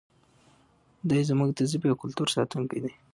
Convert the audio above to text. دی زموږ د ژبې او کلتور ساتونکی دی.